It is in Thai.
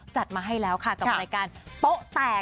จัดมาให้แล้วค่ะกับรายการโป๊ะแตก